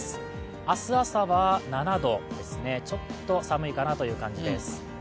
明日朝は７度、ちょっと寒いかなという感じです。